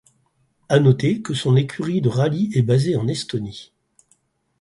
À noter que son écurie de rallye est basée en Estonie.